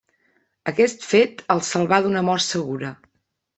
Aquest fet els salvà d'una mort segura.